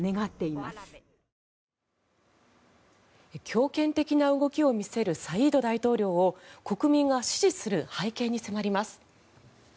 強権的な動きを見せるサイード大統領を国民が支持する背景に迫ります。